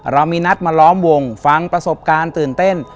เรามีนัดมาล้อมวงฟังประสบการณ์ตื่นเต้น